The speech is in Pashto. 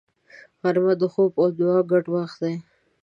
غرمه د خوب او دعا ګډ وخت دی